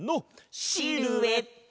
シルエット！